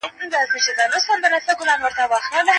دا کتاب باید په کندهار کي چاپ سي.